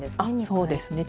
そうですね